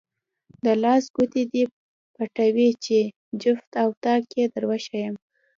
د لاس ګوتې دې پټوې چې جفت او طاق یې دروښایم.